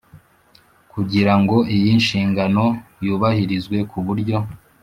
Kugira ngo iyi nshingano yubahirizwe ku buryo